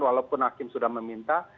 walaupun hakim sudah meminta